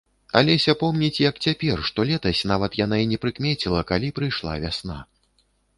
Алеся помніць як цяпер, што летась нават яна і не прыкмеціла, калі прыйшла вясна.